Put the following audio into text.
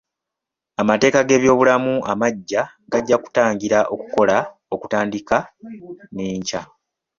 Amateeka g'ebyobulamu amagya gajja kutandika okukola okutandika n'enkya.